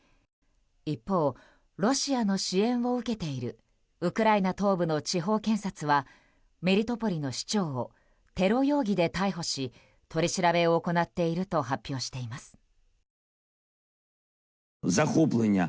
一方、ロシアの支援を受けているウクライナ東部の地方検察はメリトポリの市長をテロ容疑で逮捕し取り調べを行っていると発表しています。